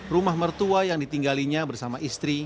rumah mertua yang ditinggalinya bersama istri